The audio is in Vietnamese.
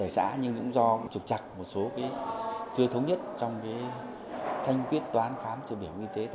bảy xã nhưng cũng do trục trặc một số cái chưa thống nhất trong cái thanh quyết toán khám chữa bệnh y tế